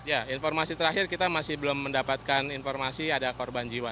ya informasi terakhir kita masih belum mendapatkan informasi ada korban jiwa